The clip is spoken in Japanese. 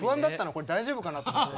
これ大丈夫かなと思って。